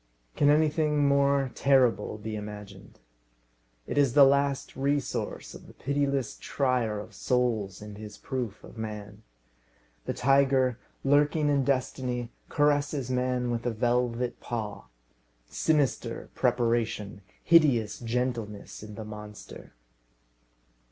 Can anything more terrible be imagined? It is the last resource of the pitiless trier of souls in his proof of man. The tiger, lurking in destiny, caresses man with a velvet paw. Sinister preparation, hideous gentleness in the monster!